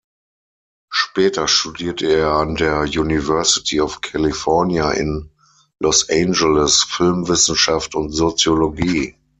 Später studierte er an der University of California in Los Angeles Filmwissenschaft und Soziologie.